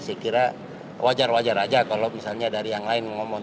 saya kira wajar wajar aja kalau misalnya dari yang lain ngomong